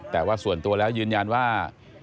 แต่ว่าส่วนตัวแล้วยืนยันว่า